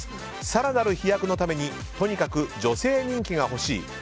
更なる飛躍のためにとにかく女性人気が欲しいＮＥＸＴ